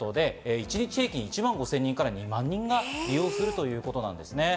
一日平均１万５０００人から２万人が利用するということです。